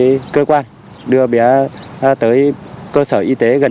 các cơ quan đã đưa bé lên mặt đất và phối hợp với các cơ quan